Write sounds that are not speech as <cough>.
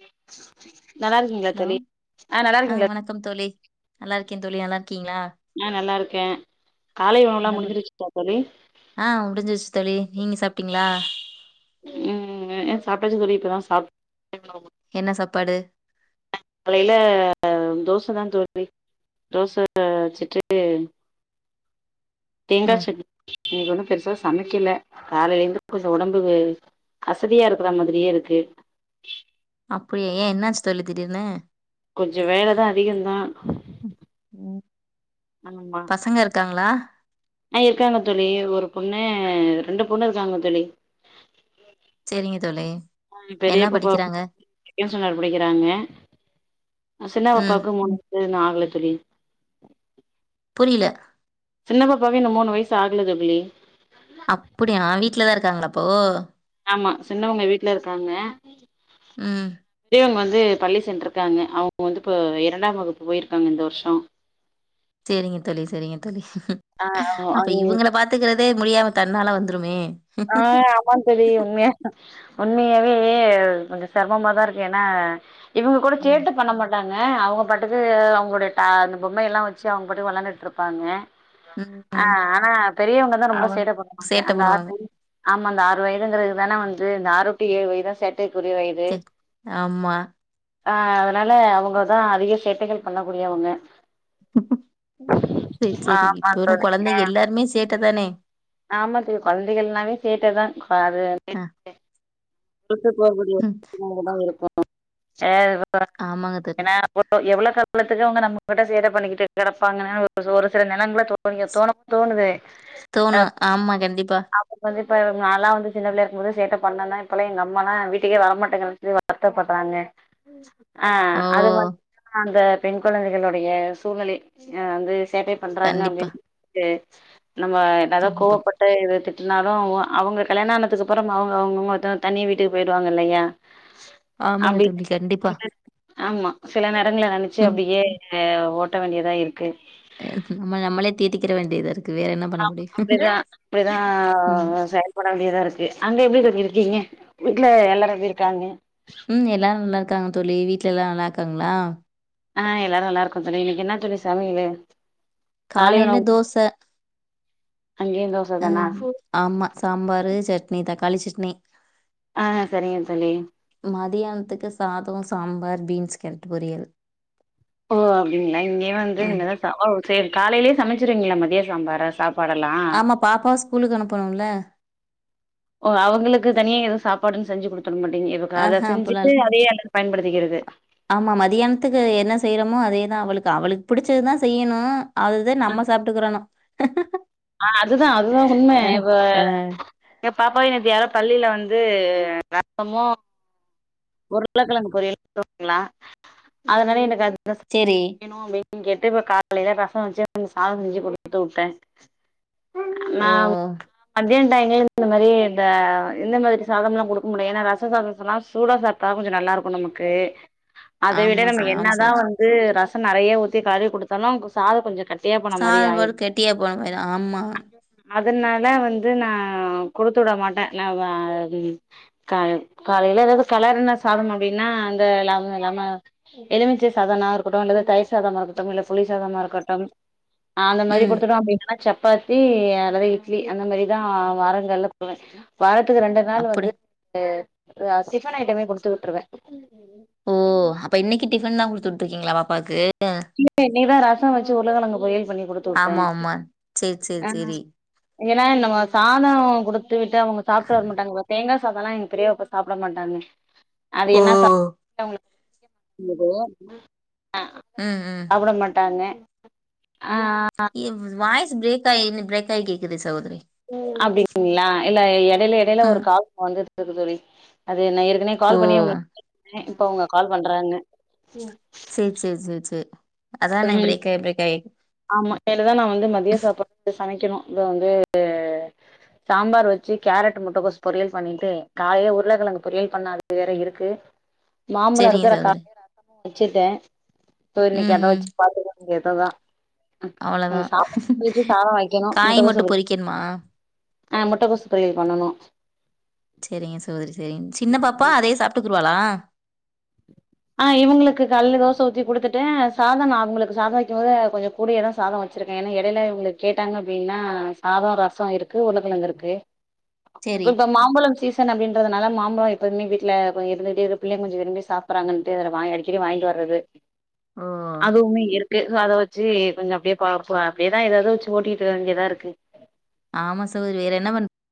<inaudible> நல்லா இருக்கீங்களா ஹலோ தொழி ஆ நல்லா இருக்கீங்களா க்கிய தொழி நல்ல ஆ நல்லா இருக்கே காலை என்ன உணவல்லாம் பண் முடிஞ்சிருச்சுட்டா தொழி ஆ முடிஞ்சிருச்சு தோழி நீங்க சாப்ட்டீங்களா ம் ஏ சாப்ட்டாச்சிங் சொழி இப்பதா சா என்ன சாப்பாடு காலைல தோசை தா தோ ழி தோச வச்சுட்டு தேங்கா ம் சட் இன்னைக் ஒன்னு பெருசா சமைக்கில காலையிலருந்து கொஞ்சம் உடம்பு அசதியா இருக்கிற மாதிரியே இருக்கு அப்டியா ஏ என்னாச்சு தொழி திடீர்னு கொஞ்சம் வேலதா அதிகந்தா ம் ம். ஆமா பசங்க இருக்காங்களா ஆ இருக்காங்க தொழி ஒரு பொண்ணு ரெண்டு பொண்ணு இருக்காங்க தொழி சரிங்க தோழி பெரிய என்ன பப்பா படிக்கிறாங்க ஒக்ஸ்னல் படிக்கிறாங்க சின்ன ம் பாப்பாவுக்கு மூணு இன்னு ஆ <unintelligible> தோழி இல்ல சின்ன பாப்பாக்கு இன்னு மூணு வயசு ஆகல தோழி. அப்படியா வீட்லதா இருக்காங்களா அ ப்போ ஆமா சின்னவங்க வீட்ல இருக்காங்க ம் பெரியவங்க வந் து பள்ளி சென்றிருக்காங்க. அவங்க வந்து இப்ப இரண்டாம் வகுப்பு போயிருக்காங்க இந்த வர்ஷோ செரிங்க தோழி செரிங்க தோழி. ஆ அப்ப அங் இவங்கள பாத்துக்கறதே முடியாம தன்னால வந் துருமே ஆ ஆமா தோழி உண்மையா உண்மையா வே கொஞ்ச சிரமமாதா இருக்கு ஏன்னா இவங்க கூட ம் சேட்ட பண்ண மாட்டா ங்க அவங்க பாட்டுக்கு அவங்களோட டா அந்த பொம்மையெல்லா வச்சு அவங்க பாட்டுக்கு வெளான்டுட்டு இருப்பாங்க. ம் ஆ ஆனா பெரியவங்கதா ரொம்ப அவன் சேட்ட பண்ணுவாங்க சேட்ட அந்த ஆறு பண்ணுவாங்க வயது ஆமா அந்த ஆறு வயதுங்கிறதுதான வந்து இந்த ஆறு டு ஏழு வயதுதா சேட் சேர் ஆமா ஆ அதனால அவங்கதா அதிக சேட்டைகள் பண்ணக்கூடியவங்க. ம் சரி சரி ஆமா இப்ப வரும் தோழி ஆ கொழந்தைங்க எல்லாருமே சேட்ட தானே ஆமா தோழி கொழந்தைகள்னாவே சேட்டதா அது அ <inaudible> டிரெஸ்ஸஸ்லா அவங்களுடைய ம் <unintelligible> இருக்கு சேரிப்பா ஆமாங்க தோழி ஏன்னா எவ்ளோ கால த்துக்கு அவங்க நம்மகிட்ட சேட்ட பண்ணிக்கிட்டு கெடப்பாங்கன்னு ஒரு சி ஒரு சில நேரங்கள்ல தோணி தோணு தோணுது. தோணு ஆமா கண்டிப்பா. அப்ப வந்து இப்ப நால்லா வந்து சின்ன பிள்ளையா இருக்கும்போது சேட்டை பண்ணந்தா இப்பல்லா எங்க அம்மால்லா ஏன் வீட்டுக்கே வரமாட்டேங்கிறேன்ட்டு வருத்தப்படுறாங்க. ஆ ஓ அது மட் <inaudible> அந்த பெண் கொழந்தைகளுடைய சூழ்நிலை ஆ வந்து சேட்டை பண்றாங்க கண்டிப்பா அப்டின்ட்டு நம்ம என்னதா கண்டிப்பா கோவப்பட் ட்டு இது திட்டுனாலு அவு அவுங்க கல்யாண ஆனதுக்கு அப்புறம் அவுங்க அவங்கவுங்க ஒருத்தர் தனி வீட்டுக்கு போயிடுவாங்க இல்லயா ஆமாங்க அப்டி தோழி கண்டிப்பா ஆமா சில நேரங்கள்ல நெனைச்சு ம் அப்டியே ஓட்ட வேண்டியதா இருக்கு ஆ இது நம்ம நம்மளே தேத்திக்கிற வேண்டியதா இரு ஆமா அப்டிதா அப்டிதா ம் செயல்பட வேண்டியதா இருக்கு. அங்க எப்டி இது இரு கீங்க வீட்ல எல்லாரு எப்டி இருக்காங்கெ ம் எல்லாரு நல்லா இருக்காங்க தோழி வீட்ல எல்லா நல்லா இருக்காங்ளா? ஆ எல்லாரு நல்லா இருக்கோ தோழி இன்னக்கி என்னா தோழி சமையலு காலை காலைல உணவு தோச அங்கேயு தோச அ தானா ம் ஆம்மா சாம்பாரு சட் னி தக்காளி சட்னி ஆ சரிங்க தோழி மதியானத்துக்கு சாதொ சாம்பார் பீன்ஸ் கேரட் பொரியல் ஓ அப்டிங்ளா இங்கயு வந்து ம் இனிமதா ச ஓ சேரி காலைலே சமச்சுறீங்ளா மதிய சாம்பார சாப் ஆமா பாப்பா ஸ்கூலுக்கு அனுப்பணும்ல ஓ அவுங்களுக்கு தனியா எது சாப்பாடுன் செஞ்சு குடு ஆஹ அப்புல்லால் பயன்படுத்திக்கிறது ஆமா மதியான்த்க்கு என்ன செய்றமோ அதே தா அவளுக்கு அவளுக்கு புடுச்சதுதா செய்யணு அதுதெ நம்ம சாப்ட்டுக்கிறணு ஆ அதுதா அதுதா உண்ம இப்ப அ. ஏ பாப்பாவை நேத்து யாரோ பள்ளி ல வந்து ரசமு உருளக்கெழங்கு பொரியலு <inaudible> அதுனால எனக்கு அது <unintelligible> சரி. வேனு அப்டி ன் கேட்டு இப்ப காலைல ரசொ வச்சு சாத செஞ்சு குடுத்து விட்டே ஓ! நா மதியா <unintelligible> மாரி த இந்த மாதிரி சாதம்லா குடுக்க முடியா ஏன்னா ரச சாதம் சொன்னா சூடா சாப்டா கொஞ்சொ நல்லாருக்கு நமக்கு அத விட ஆமா ச நம்ம ஆமா என்னாதா சகோதரி. வந்து ர ச நறைய ஊத்தி கரி குடுத்தாலு அவுங்க்கு சாத கொஞ்ச கட் சாத பாரு கெட்டியா போனமாயிரு ஆமா துனானா வந்து நா கொடுத்துட மாட்டே நா வ க காலைல எதாது கெளருன சாதம் அப்டின்னா அந்த ல லம எலுமிச்சை சாதன்னா இருக்கட்டு இல்லது தயிர் சாதமா இருக்கட்டும் இல்ல புளி சாதமா இருக்கட்டும் அ அந்த மாரி ம். குடுத்துட்டோ அப்டின்னா சப் பாத்தி அல்லது இட்லி அந்த மாரிதா வாரங்கள்ல <inaudible> வார த்துகு ரெண்டு நாள் அப்படி. வந்து <inaudible> டிஃபன் ஐட்டமே குடுத்து விட்ருவே ஓ அப்ப இன்னக்கி டிஃபன் தா குடுத்துவிட்ருக்கீங்ளா பப் பாக்கு <inaudible> இன்னைக்கிதா ரசோ வச்சு உருளக்கெழங்கு பொரியல் பண்ணி குடுத்து விட்டேன் ஆமா ஆமா சேரி சேரி சேரி. ஏன்னா நம்ம சாதோ குடுத் து விட்டு அவங்க சாப்ட்டு வர மாட்டாங்கப்பா தேங்கா சாதோல்லா எங்க பெரிய பாப்பா சாப்ட மாட்டாங்க. அது ஓ! என்ன சாதோ அவுங்களுக் நல்லதோ ஆ ம், அதெல்லா சாப்பட மாட்டாங்க <inaudible> இவ் வாய்ஸ் பிரேக் ஆயி நின் பிரேக் ஆயி கேக்குது சகோதரி. அப்டி <inaudible> ங்ளா இல்ல எட யில எடையில ஒரு ம். கால் வந்துது துது தோழி அது நா ஏற்கனவே ஓ! கால் பண்ணியே அவுங்க <inaudible> இப்ப அவுங்க கால் பண்றாங்க சேரி சேரி சேரி சேரி அதானே ம் பிரேக் ஆகி பிரேக் ஆகி ஆமா இனிமேலுதா நா வந்து மதியோ சாப்பாடு சமைக்கணு இது வந்து சாம்பார் வச்சு கேரட் முட்டக்கோஸ் பொரியல் பண்ணிட்டு காலைல உருளக்கெழங்கு பொரியல் பண்ணது வேற இருக்கு மாம்பழோ சரிங்க இருக்கு அதோட கா சகோதரி. காலைலயே ரசமு வச்சுட்டே அப்போ இன்னைக்கு அத வச்சு பாத்துக்க வேண்டியதுதா. அவ்ளவுதா வைக்கணும் காய் மட்டு முட்டைக்கோசு பொரியல் பொரிக்கணுமா? ஆ முட்டகோஸ் பொரியல் பண்ணணு. செரிங்க சகோதரி செரிங் சின்ன பாப்பா அதயே சாப்ட்டுக்குறுவாளா? ஆ இவுங்களுக்கு காலைல தோச ஊத்தி குடுத்துட்டே அது சாதம் அவங்களுக்கு சாதோ வைக்கும் போது கொஞ்ச கூடயேதா சாதோ வச்சிருக்கே ஏன்னா எடையில இவங்க கேட்டாங்க அப்டினா சாதோ ரசோ இருக்கு உருளக்கெழங்கு இருக்கு செரி இப்ப மாம்பழோ சீச ன் அப்டின்றதுனால மாம்பழோ எப்பவுமே வீட்ல கொஞ்ச இருந்துக்ட்டே இருக் பிள்ளைங்க கொஞ்ச விரும்பி சா சாப்படறாங்கன்ட்டு அது வாங் அடிக்கடி வாங்கிட்டு வர்றது ஓ அதுவுமே இரு க்கு அத வச்சு கொஞ்ச அப்டியே போகப் போக அப்டியேதா ஏதாவது வச்சு ஓட்டிட்டு இருக்க வேண்டியதா இருக்கு. ஆமா சகோதரி வேற என்ன பண்